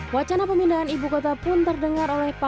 wacana pemindahan ibu kota pun terdengar oleh pemerintah